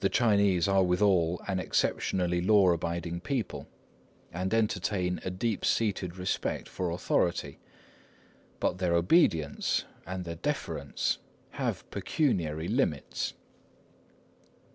The Chinese are withal an exceptionally law abiding people, and entertain a deep seated respect for authority. But their obedience and their deference have pecuniary limits.